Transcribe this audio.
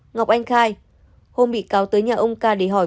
ngọc anh khai hôm bị cáo tới nhà ông ca để hỏi